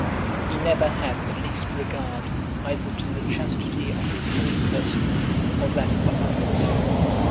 XXXVI. He never had the least regard either to the chastity of his own person, or that of others.